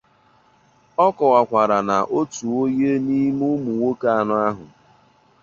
Ọ kọwakwara na otu onye n'ime ụmụnwoke anọ ahụ